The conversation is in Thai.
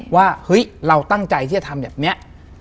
ว่าเฮ้ยเราตั้งใจที่จะทำแบบนี้